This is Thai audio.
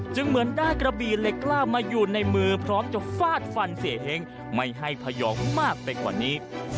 เหมือนได้กระบีเหล็กกล้ามาอยู่ในมือพร้อมจะฟาดฟันเสียเฮ้งไม่ให้พยองมากไปกว่านี้